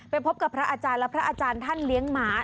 พบกับพระอาจารย์และพระอาจารย์ท่านเลี้ยงหมา